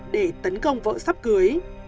để tấn công vợ sắp cưới